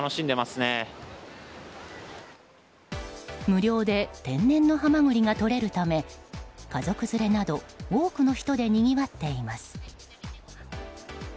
無料で天然のハマグリがとれるため家族連れなど多くの人でにぎわっています。